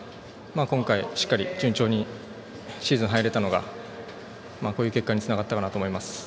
今回しっかり順調にシーズンに入れたのがこういう結果につながったかなと思います。